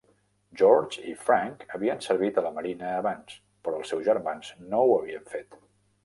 George i Frank havien servit a la Marina abans, però els seus germans no ho havien fet.